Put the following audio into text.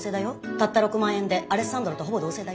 たった６万円でアレッサンドロとほぼ同棲だよ？